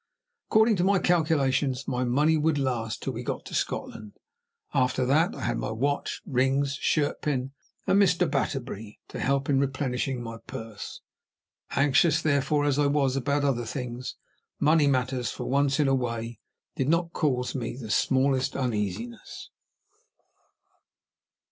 According to my calculations, my money would last till we got to Scotland. After that, I had my watch, rings, shirtpin, and Mr. Batterbury, to help in replenishing my purse. Anxious, therefore, as I was about other things, money matters, for once in a way, did not cause me the smallest uneasiness.